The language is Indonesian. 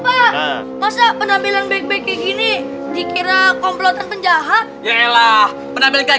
pak masa penampilan baik baik gini dikira komplotan penjahat ya elah penampilan kayak